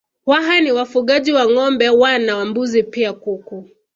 Waha ni wafugaji wa Ngombe wa na mbuzi pia kuku